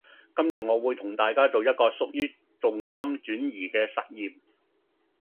今日我會同大家做一個屬於重心轉移嘅實驗